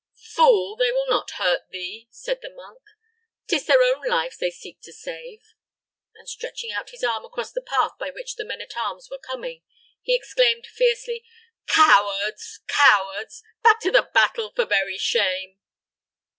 "Fool! they will not hurt thee," said the monk "'Tis their own lives they seek to save;" and, stretching out his arms across the path by which the men at arms were coming, he exclaimed, fiercely, "Cowards cowards! back to the battle for very shame!"